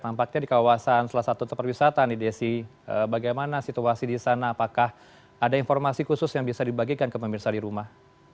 nampaknya di kawasan salah satu tempat wisata nih desi bagaimana situasi di sana apakah ada informasi khusus yang bisa dibagikan ke pemirsa di rumah